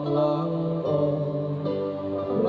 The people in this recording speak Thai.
นายยกรัฐมนตรีพบกับทัพนักกีฬาที่กลับมาจากโอลิมปิก๒๐๑๖